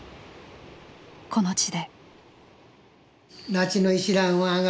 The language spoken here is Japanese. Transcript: この地で。